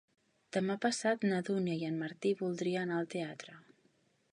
Demà passat na Dúnia i en Martí voldria anar al teatre.